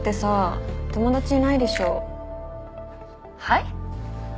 はい？